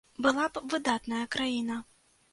Была б выдатная краіна.